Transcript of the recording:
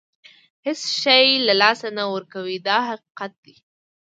هېڅ شی له لاسه نه ورکوي دا حقیقت دی.